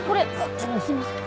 ちょっとすいません。